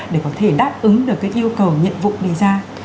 để đáp ứng được cái yêu cầu nhiệm vụ đề ra